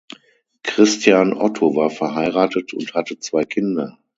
Christian Otto war verheiratet und hatte zwei Kinder.